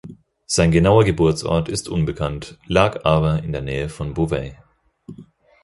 Sein genauer Geburtsort ist unbekannt, lag aber in der Nähe von Beauvais.